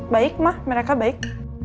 baik ma mereka baik